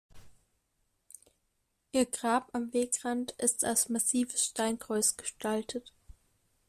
Ihr Grab am Wegrand ist als massives Steinkreuz gestaltet.